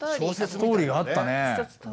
ストーリーがあったね。